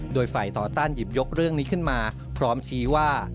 โดยฝ่ายต่อต้านหยิบยกเรื่องนี้ขึ้นมาพร้อมชี้ว่า